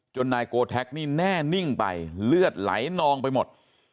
นายโกแท็กนี่แน่นิ่งไปเลือดไหลนองไปหมด